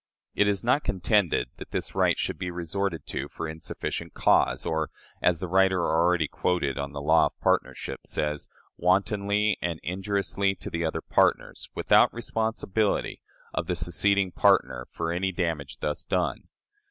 It is not contended that this right should be resorted to for insufficient cause, or, as the writer already quoted on the law of partnership says, "wantonly and injuriously to the other partners," without responsibility of the seceding party for any damage thus done.